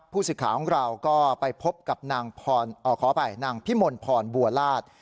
ผู้ศึกขาของเราก็ไปพบกับนางพรอ่าขอไปนางพิมลพรบัวราช